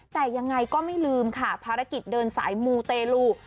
แต่ยังไงก็ไม่ลืมค่ะภารกิจเดินสายมูเตลู